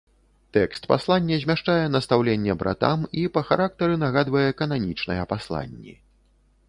Тэкст паслання змяшчае настаўленне братам і па характары нагадвае кананічныя пасланні.